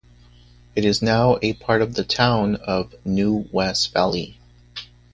It is now a part of the town of New-Wes-Valley.